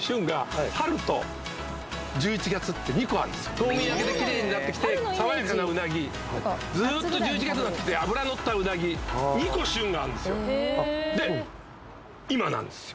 冬眠明けでキレイになってきて爽やかなうなぎずっと１１月がきて脂のったうなぎ２個旬があるんですよ